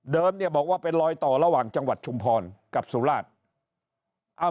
เนี่ยบอกว่าเป็นรอยต่อระหว่างจังหวัดชุมพรกับสุราช